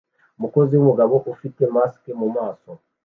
Umukozi wumugabo ufite mask mumaso